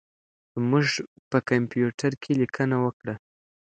موږ په کمپیوټر کې لیکنه وکړه.